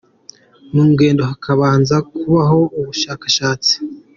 mu ngendo hakabanza kubaho ubushakashatsi.